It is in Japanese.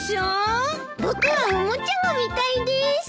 僕はおもちゃが見たいでーす。